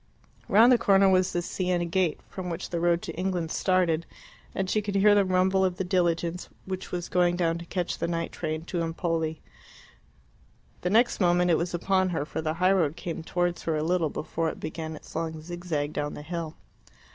Round the corner was the Siena gate, from which the road to England started, and she could hear the rumble of the diligence which was going down to catch the night train to Empoli. The next moment it was upon her, for the highroad came towards her a little before it began its long zigzag down the hill.